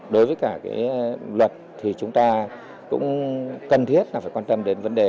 đối với cả luật thì chúng ta cũng cần thiết là phải quan tâm đến vấn đề